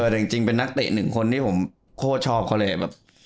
แต่จริงเป็นนักเตะหนึ่งคนที่ผมโคตรชอบเขาเลยแบบ